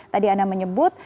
tadi anda menyebut